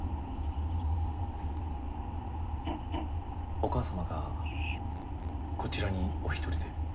お母様がこちらにお一人で？